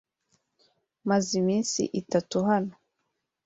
Maze iminsi itatu hano.